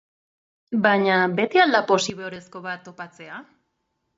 Baina, beti al da posiborezko bat topatzea?